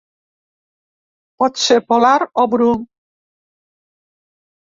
Pot ser polar o bru.